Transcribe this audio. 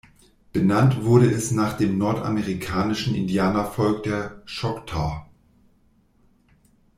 Benannt wurde es nach dem nordamerikanischen Indianervolk der Choctaw.